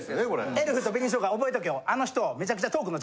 エルフと紅しょうが覚えとけよ。